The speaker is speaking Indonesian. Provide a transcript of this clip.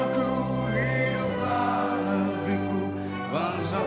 pemirsa dan hadirin sekalian